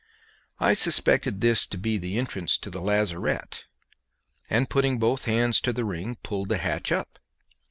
I suspected this to be the entrance to the lazarette, and putting both hands to the ring pulled the hatch up.